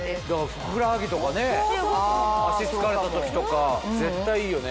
ふくらはぎとかね脚疲れた時とか絶対いいよね。